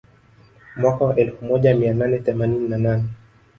Mwaka wa elfu moja mia nane themanini na nane